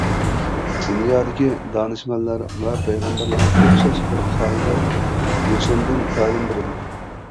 دۇنيادىكى دانىشمەنلەر ۋە پەيغەمبەرلەر ئوخشاش بىر قائىدە-يوسۇندىن تەلىم بېرىدۇ.